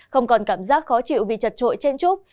không còn cảm giác khó chịu vì chật trội trên chút